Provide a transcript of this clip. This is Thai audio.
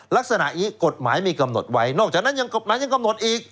ลักษณะนี้กฎหมายมีกำหนดไว้นอกจากนั้นยังกฎหมายยังกำหนดอีก